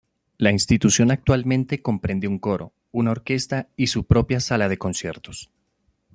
La institución actualmente comprende un coro, una orquesta y su propia sala de conciertos.